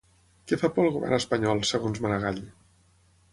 Què fa por al Govern espanyol, segons Maragall?